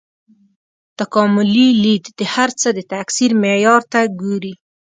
تکاملي لید د هر څه د تکثیر معیار ته ګوري.